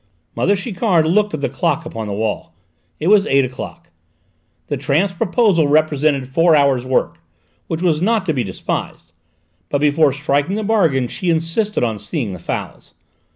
Mother Chiquard looked at the clock upon the wall; it was eight o'clock. The tramp's proposal represented four hours' work, which was not to be despised; but before striking the bargain she insisted on seeing the fowls.